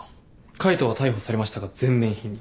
海藤は逮捕されましたが全面否認。